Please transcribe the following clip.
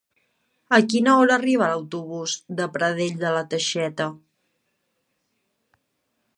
A quina hora arriba l'autobús de Pradell de la Teixeta?